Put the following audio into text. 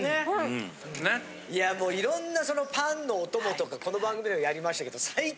いやもういろんなそのパンのお供とかこの番組でやりましたけど。